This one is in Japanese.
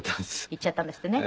行っちゃったんですってね。